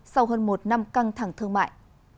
sau hơn một năm căng thẳng thương mại